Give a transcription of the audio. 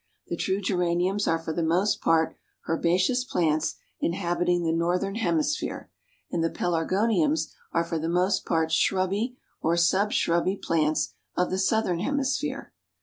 The true Geraniums are for the most part herbaceous plants inhabiting the northern hemisphere, and the Pelargoniums are for the most part shrubby or sub shrubby plants of the southern hemisphere.